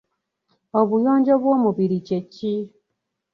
Obuyonjo bw'omubiri kye ki?